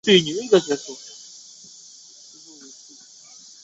另预留未来增设对侧出入口之衔接口。